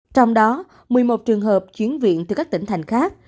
trong đó một mươi một trường hợp chuyển viện từ các tỉnh thành khác